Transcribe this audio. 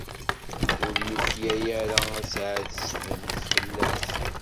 Ur yuklal ara ad tɛettbem fell-as.